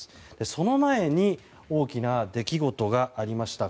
その前に大きな出来事がありました。